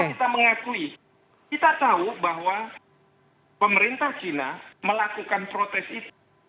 kita mengakui kita tahu bahwa pemerintah china melakukan protes itu